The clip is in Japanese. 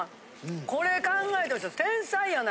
これ考えた人天才やな。